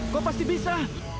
kau pasti bisa